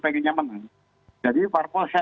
pengennya menang jadi parpol